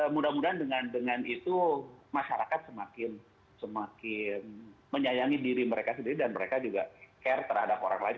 mudah mudahan dengan itu masyarakat semakin menyayangi diri mereka sendiri dan mereka juga care terhadap orang lain